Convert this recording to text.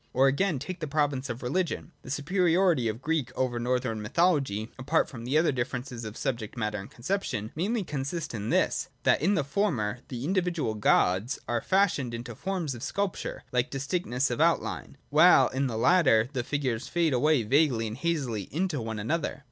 Or again, take the province of Religion. The superiority of Greek over Northern mythology (apart from other differences of subject matter and conception) mainly consists in this : that in the former the individual gods are fashioned into forms of sculpture like distinctness of outline, while in the latter the figures fade away vaguely and hazily into one another.